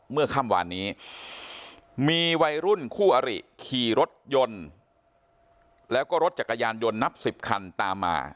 เมื่อค่ำวานนี้มีวัยรุ่นคู่อริขี่รถยนต์แล้วก็รถจักรยานยนต์นับ๑๐คันตามมา